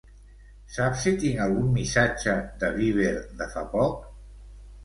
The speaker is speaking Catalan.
Saps si tinc algun missatge de Viber de fa poc?